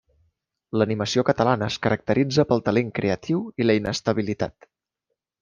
L'animació catalana es caracteritza pel talent creatiu i la inestabilitat.